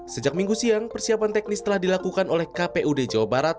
sejak minggu siang persiapan teknis telah dilakukan oleh kpud jawa barat